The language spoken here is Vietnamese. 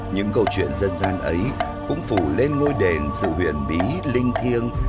những câu chuyện dân gian ấy cũng phủ lên ngôi đền sự huyền bí linh thiêng